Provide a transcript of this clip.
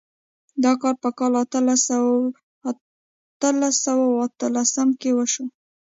دا کار په کال اتلس سوه اتلسم کې وشو.